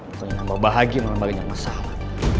pokoknya nambah bahagia nambah gajah masalah